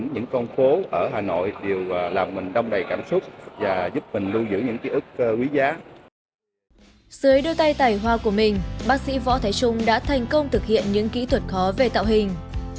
dưới đôi tay tài hoa của mình bác sĩ võ thái trung đã thành công thực hiện những kỹ thuật khó về tạo hình